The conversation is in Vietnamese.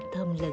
thơm lần ăn